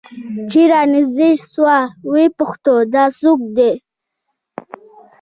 چې رانژدې سوه ويې پوښتل دا څوك دى؟